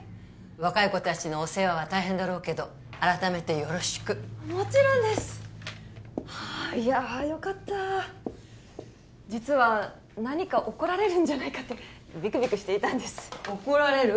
若い子達のお世話は大変だろうけど改めてよろしくもちろんですいやよかった実は何か怒られるんじゃないかってビクビクしていたんです怒られる？